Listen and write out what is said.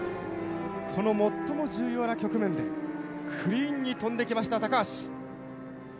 この最も重要な局面でクリーンに跳んできました橋。